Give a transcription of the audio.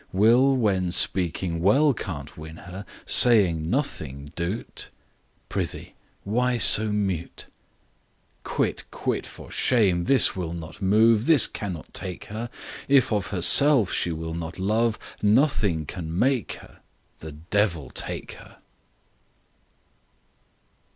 Will, when speaking well can't win her, Saying nothing do 't ? Prithee, why so mute ? Quit, quit, for shame, this will not move : This cannot take her. If of herself she will not love, Nothing can make her : The devil take her